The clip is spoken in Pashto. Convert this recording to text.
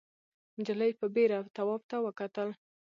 نجلۍ په بېره تواب ته وکتل.